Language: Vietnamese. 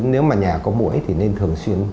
nếu mà nhà có mũi thì nên thường xuyên